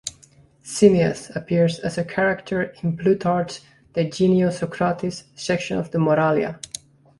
Simmias appears as a character in Plutarch's "De Genio Socratis" section of the "Moralia".